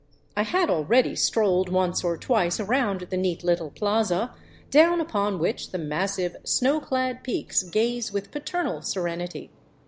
I had already strolled once or twice around the neat little plaza, down upon which the massive, snowclad peaks gaze with paternal serenity.